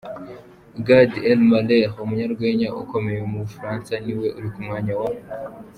Gad Elmaleh umunyarwenya ukomeye mu Bufaransa Ni we uri ku mwanya wa .